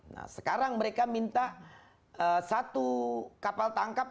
nah sekarang mereka minta satu kapal tangkap